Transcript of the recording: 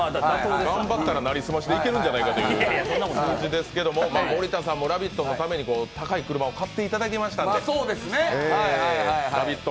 頑張ったら成り済ましでいけるんじゃないかという数字ですけれども、森田さんも「ラヴィット！」のために高い車を買っていただきましたので「ラヴィット！」